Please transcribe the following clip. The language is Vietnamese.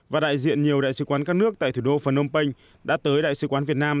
và đại diện nhiều đại sứ quán các nước tại thủ đô phnom penh đã tới đại sứ quán việt nam